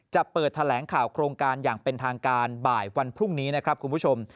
จะเปิดแถลงข่าวโครงการอย่างเป็นทางการบ่ายวันพรุ่งนี้นะครับคุณผู้ชม